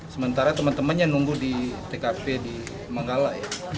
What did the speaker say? sementara teman temannya nunggu di tkp di manggala ya